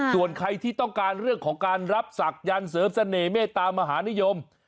ส่วนใครที่ต้องการเรื่องของการรับศักดิ์เสริมเสน่หมเมตตามหานิยม